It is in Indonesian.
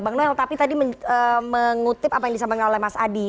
bang noel tapi tadi mengutip apa yang disampaikan oleh mas adi